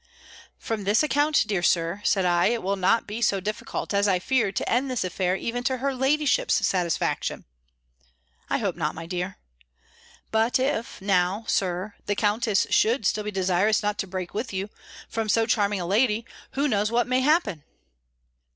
"From this account, dear Sir," said I, "it will not be so difficult, as I feared, to end this affair even to her ladyship's satisfaction." "I hope not, my dear." "But if, now, Sir, the Countess should still be desirous not to break with you; from so charming a lady, who knows what may happen!"